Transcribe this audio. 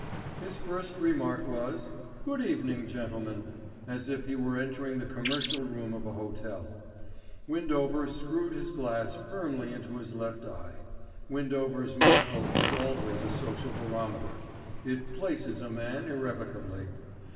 His first remark was "Good evening, gentlemen," as if he were entering the commercial room of a hotel. Windover screwed his glass firmly into his left eye. Windover's monocle is always a social barometer—it "places" a man irrevocably.